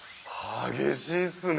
激しいっすね。